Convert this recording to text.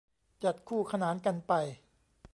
จัดคู่ขนานกันไป